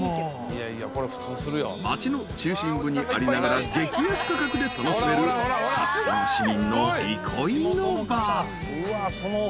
［町の中心部にありながら激安価格で楽しめる札幌市民の憩いの場］